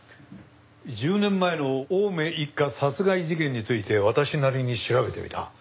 １０年前の青梅一家殺害事件について私なりに調べてみた。